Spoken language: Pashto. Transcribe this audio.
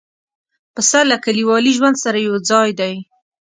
پسه له کلیوالي ژوند سره یو ځای دی.